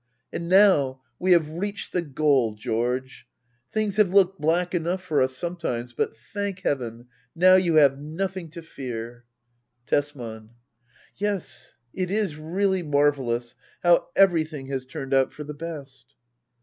And now we have reached the goal, George ! Things have looked black enough for us, some times ; but, thank heaven, now you have nothing to fear. Tesman. Yes, it is really marvellous how everything has turned out for the best.